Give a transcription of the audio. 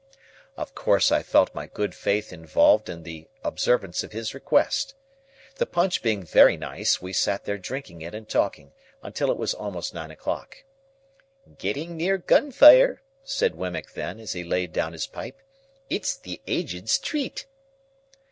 Of course I felt my good faith involved in the observance of his request. The punch being very nice, we sat there drinking it and talking, until it was almost nine o'clock. "Getting near gun fire," said Wemmick then, as he laid down his pipe; "it's the Aged's treat."